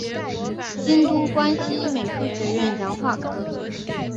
京都关西美术学院洋画科